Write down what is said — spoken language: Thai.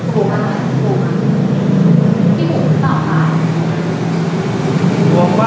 ขอบคุณค่ะ